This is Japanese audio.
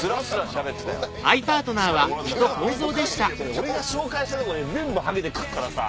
俺が紹介したとこで全部ハゲで来るからさ！